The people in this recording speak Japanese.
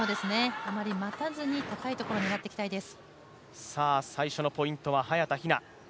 あまり待たずに高いところを狙っていきたいです。